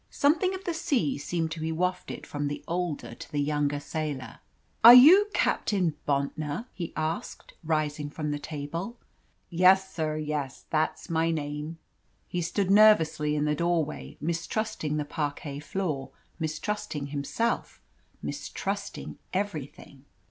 Something of the sea seemed to be wafted from the older to the younger sailor. "Are you Captain Bontnor?" he asked, rising from the table. "Yes, sir, yes! That's my name!" He stood nervously in the doorway, mistrusting the parquet floor, mistrusting himself, mistrusting everything.